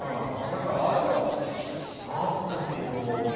だからああいうのはあったけど。